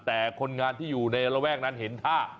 แต่คนงานที่อยู่ในระแวกนั้นเห็นท่า